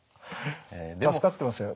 助かってますよ。